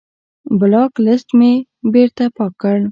بلاک لست مې بېرته پاک کړ.